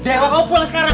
jangan mau pulang sekarang